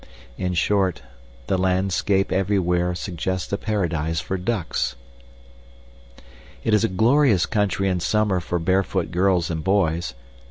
In short, the landscape everywhere suggests a paradise for ducks. It is a glorious country in summer for barefoot girls and boys.